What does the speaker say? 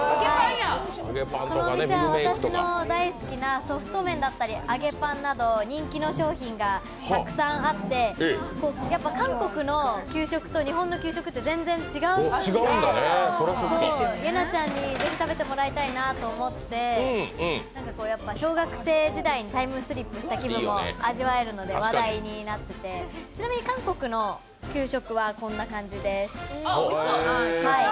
このお店は私の大好きなソフト麺だったり揚げパンなど人気の商品がたくさんあってやっぱ韓国の給食と日本の給食って全然違うので、イェナちゃんにぜひ食べてもらいたいなと思って小学生時代にタイムスリップした気分も味わえるので話題になっててちなみに韓国の給食はこんな感じです。